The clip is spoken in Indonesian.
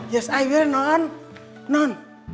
ya aku akan non